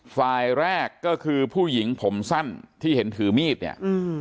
ฝ่ายแรกก็คือผู้หญิงผมสั้นที่เห็นถือมีดเนี่ยอืม